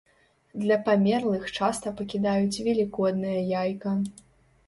Для памерлых часта пакідаюць велікоднае яйка.